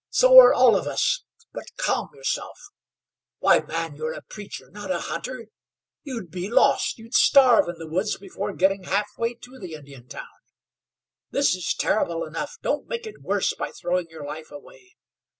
So are all of us. But calm yourself. Why, man, you're a preacher, not a hunter. You'd be lost, you'd starve in the woods before getting half way to the Indian town. This is terrible enough; don't make it worse by throwing your life away.